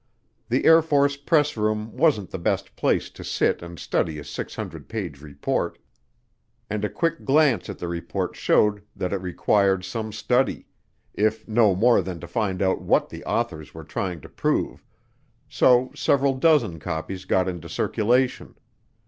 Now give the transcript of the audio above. The Air Force Press Room wasn't the best place to sit and study a 600 page report, and a quick glance at the report showed that it required some study if no more than to find out what the authors were trying to prove so several dozen copies got into circulation.